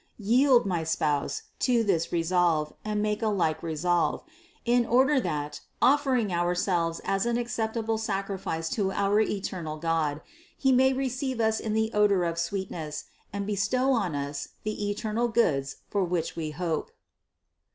Yield, my spouse, to this resolve and make a like resolve, in order that, of fering ourselves as an acceptable sacrifice to our eternal God, He may receive us in the odor of sweetness and bestow on us the eternal goods for which we hope."